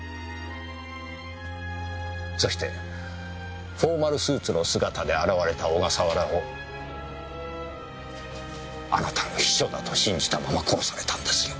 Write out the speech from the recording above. そしてフォーマルスーツの姿で現れた小笠原をあなたの秘書だと信じたまま殺されたんですよ。